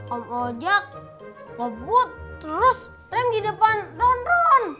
om ojak lebut terus rem di depan ron ron